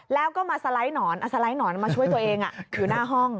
แล้วก็มาสไลด์หนอนสไลด์หนอนมาช่วยตัวเองอยู่หน้าห้อง